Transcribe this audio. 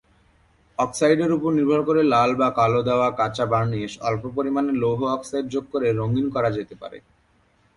অক্সাইডের উপর নির্ভর করে লাল বা কালো দেওয়া কাঁচা বার্ণিশ অল্প পরিমাণে লৌহ অক্সাইড যোগ করে "রঙিন" করা যেতে পারে।